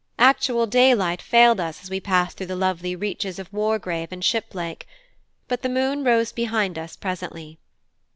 Actual daylight failed us as we passed through the lovely reaches of Wargrave and Shiplake; but the moon rose behind us presently.